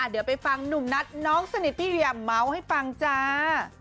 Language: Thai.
เดี๋ยวไปฟังหนุ่มนัทน้องสนิทพี่เรียมเมาส์ให้ฟังจ้า